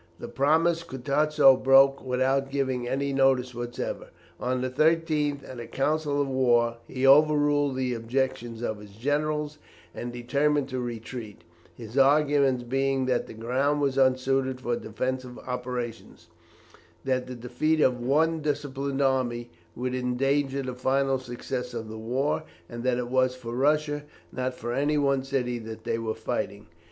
This promise Kutusow broke without giving any notice whatever. On the 13th, at a council of war, he overruled the objections of his generals, and determined to retreat, his arguments being that the ground was unsuited for defensive operations; that the defeat of the one disciplined army would endanger the final success of the war; and that it was for Russia, not for any one city, they were fighting.